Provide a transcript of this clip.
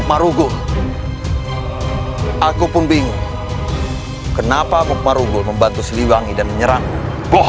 aku tidak butuh penjelasanmu manusia sampah